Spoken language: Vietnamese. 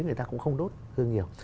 người ta cũng không đốt hương nhiều